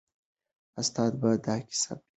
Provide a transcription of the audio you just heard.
استاد به دا کیسه بیانوي.